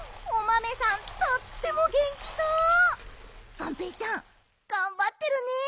がんぺーちゃんがんばってるね！